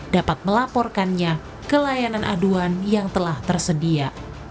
dapat melaporkannya ke layanan aduan yang telah tersedia